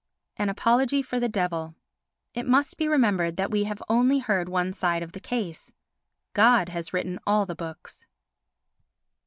An Apology for the Devil It must be remembered that we have only heard one side of the case. God has written all the books.